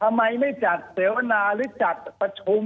ทำไมไม่จัดเสวนาหรือจัดประชุม